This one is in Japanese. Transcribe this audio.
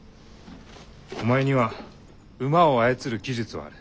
お前には馬を操る技術はある。